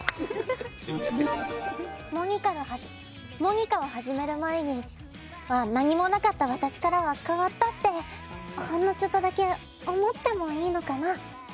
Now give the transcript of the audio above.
モニカを始める前は何もなかった私からは変わったってほんのちょっとだけ思ってもいいのかな。